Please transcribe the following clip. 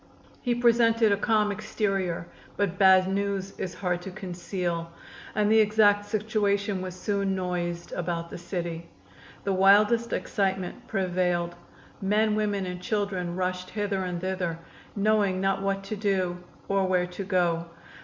He presented a calm exterior, but bad news is hard to conceal, and the exact situation was soon noised about the city. The wildest excitement prevailed. Men, women and children rushed hither and thither, knowing not what to do or where to go.